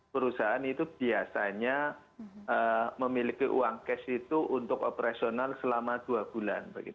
perusahaan itu biasanya memiliki uang cash itu untuk operasional selama dua bulan